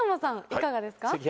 いかがですか？